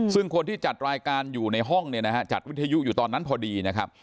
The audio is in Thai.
ซึ่งคนที่จัดรายการอยู่ในห้องเนี่ยนะฮะจัดวิทยุอยู่ตอนนั้นพอดีนะครับ